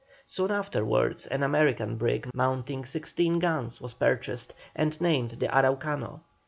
Soon afterwards an American brig mounting 16 guns was purchased, and named the Araucano.